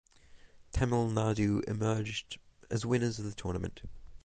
Tamil Nadu emerged as winners of the tournament.